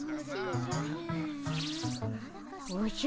おじゃ？